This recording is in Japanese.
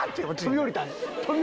飛び降りたんや！